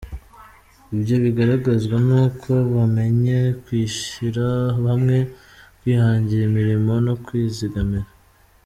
Ibyo bigaragazwa n’uko bamenye kwishyira hamwe, kwihangira imirimo no kwizigamira”.